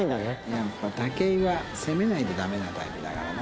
やっぱ武井は攻めないとダメなタイプだからな。